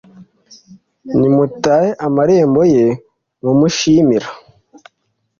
nimutahe amarembo ye mumushimira